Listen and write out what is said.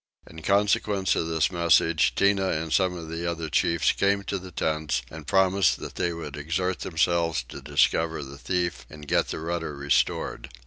In consequence of this message Tinah and some of the other chiefs came to the tents and promised that they would exert themselves to discover the thief and get the rudder restored.